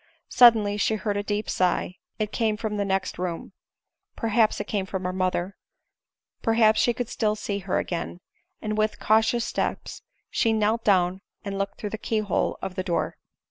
Suddenly she heard a deep sigh — it came from the next room — perhaps it came from her mother ; perhaps she could still see her again ; and with cautious steps she knelt down and looked through the key hole of the door.